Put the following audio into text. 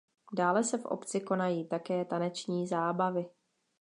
Dále se v obci konají také taneční zábavy.